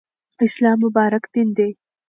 اسلام مبارک دین دی.